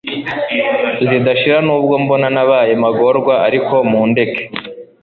zidashira nubwo mbona nabaye magorwa ariko mundeke